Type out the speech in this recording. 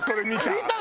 見た。